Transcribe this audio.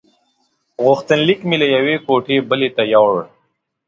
غوښتنلیک مې له یوې کوټې بلې ته یووړ.